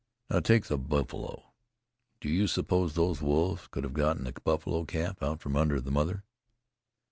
Now, take the buffalo. Do you suppose those wolves could have gotten a buffalo calf out from under the mother?